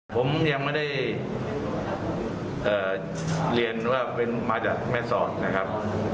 ผมยังไม่ได้เรียนว่าเป็นมาจากแม่สอดนะครับ